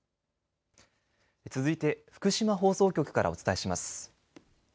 続いて福島放送局からお伝えします。